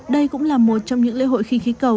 đây cũng là một trong những lễ hội khinh khí cầu